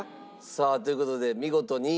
さあという事で見事に。